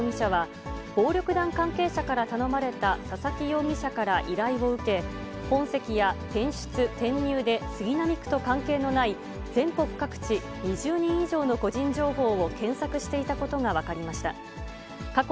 捜査関係者への取材で市川容疑者は、暴力団関係者から頼まれた佐々木容疑者から依頼を受け、本籍や転出転入で、杉並区と関係ない全国各地２０人以上の個人情報を検索していたことが分かりました。